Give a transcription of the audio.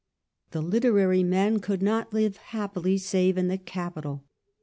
The literary men could the provin not live happily save in the capital.